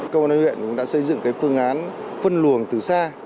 công an huyện cũng đã xây dựng phương án phân luồng từ xa